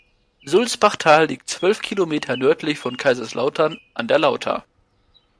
Sulzbachtal liegt zwölf Kilometer nördlich von Kaiserslautern an der Lauter.